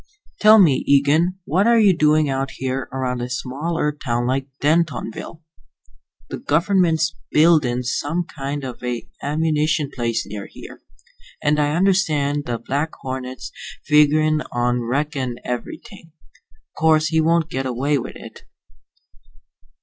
Tell me, Eagen, what are you doing out here around a small Earth town like Dentonville?" "The gov'ment's buildin' some kind of a ammunition place near here, and I understand the Black Hornet's figurin' on wreckin' everything. 'Course he won't get away with it."